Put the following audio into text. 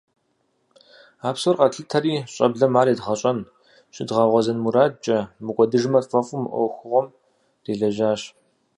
А псор къэтлъытэри, щӏэблэм ар едгъэщӏэн, щыдгъэгъуэзэн мурадкӏэ, мыкӏуэдыжмэ тфӏэфӏу, мы ӏуэхугъуэм делэжьащ.